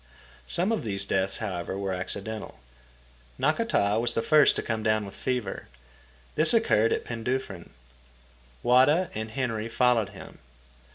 Some of these deaths, however, were accidental. Nakata was the first to come down with fever. This occurred at Penduffryn. Wada and Henry followed him.